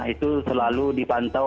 itu selalu dipantau